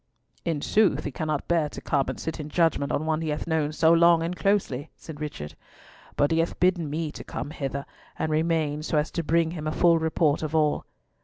"In sooth he cannot bear to come and sit in judgment on one he hath known so long and closely," said Richard; "but he hath bidden me to come hither and remain so as to bring him a full report of all."